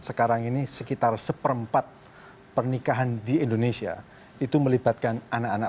sekarang ini sekitar seperempat pernikahan di indonesia itu melibatkan anak anak